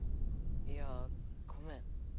いやごめん。